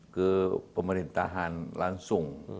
ke pemerintahan langsung